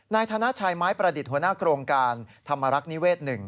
นายธนชัยไม้ประดิษฐ์หัวหน้าโครงการธรรมรักษ์นิเวศ๑